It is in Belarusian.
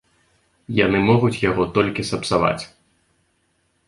Яны могуць яго толькі сапсаваць.